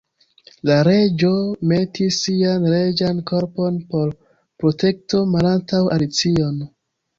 La Reĝo metis sian reĝan korpon por protekto malantaŭ Alicion.